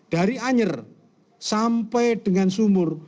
dari anyer sampai dengan sumur